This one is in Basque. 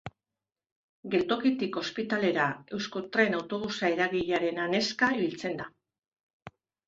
Geltokitik ospitalera Euskotren Autobusa eragilearen anezka ibiltzen da.